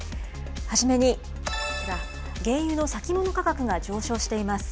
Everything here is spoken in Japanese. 初めにこちら、原油の先物価格が上昇しています。